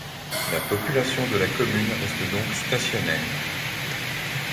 La population de la commune reste donc stationnaire.